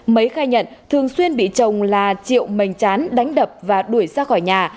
mấy khai nhận thường xuyên bị chồng là chịu mềnh chán đánh đập và đuổi ra khỏi nhà